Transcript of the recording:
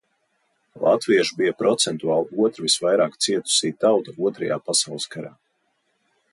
Latvieši bija procentuāli otra visvairāk cietusī tauta Otrajā pasaules karā.